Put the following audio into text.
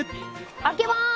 開けまーす。